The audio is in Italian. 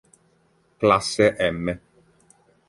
Classe M